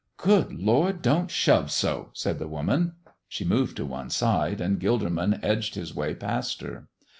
"Good Lord, don't shove so!" said the woman. She moved to one side, and Gilderman edged his way past her.